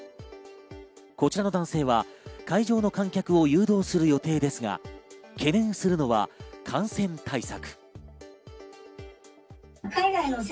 こちらの男性は会場の観客を誘導する予定ですが、懸念するのは感染対策。